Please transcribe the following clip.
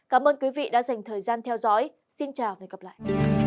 cảm ơn quý vị đã dành thời gian theo dõi xin chào và hẹn gặp lại